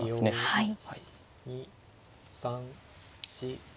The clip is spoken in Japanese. はい。